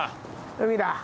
海だ！